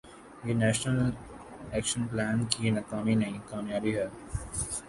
یہ national action plan کی ناکامی نہیں، کامیابی ہے۔